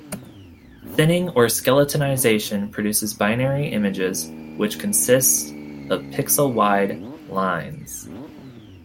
Thinning or skeletonization produces binary images which consist of pixel-wide lines.